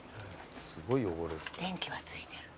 電気はついてる。